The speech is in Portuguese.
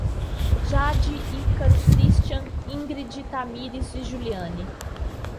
Jade, Ícaro, Christian, Ingred, Tamires e Juliane